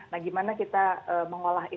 nah gimana kita mengolahkan